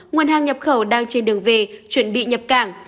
nguồn hàng nhập khẩu đang trên đường về chuẩn bị nhập cảng